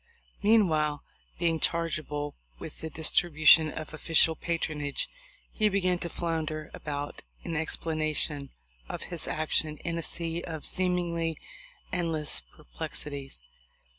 Meanwhile, being chargeable with the distribu tion of official patronage, he began to flounder about in explanation of his action in a sea of seem ingly endless perplexities.